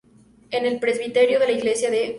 En el presbiterio de la iglesia de "St.